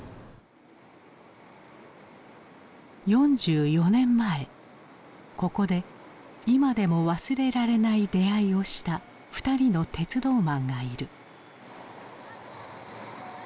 ４４年前ここで今でも忘れられない出会いをした２人の鉄道マンがいる。